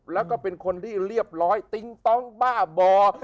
แล้วก็เป็นคนที่เรียบร้อยติ๊งต้องบ้าบ่อ